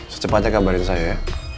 secepatnya kabarin saya ya